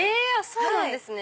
そうなんですね！